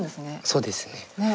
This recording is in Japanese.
そうですね。